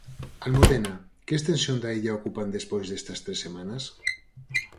Almudena, que extensión da illa ocupan despois destas tres semanas?